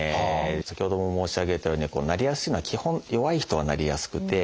先ほども申し上げたようになりやすいのは基本弱い人はなりやすくて。